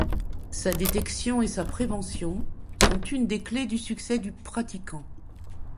Sa détection et sa prévention sont une des clefs du succès du pratiquant.